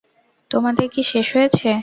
তোমাদের কি শেষ হয়েছে?